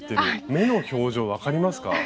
目の表情分かりますか？